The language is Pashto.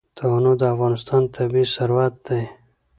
تنوع د افغانستان طبعي ثروت دی.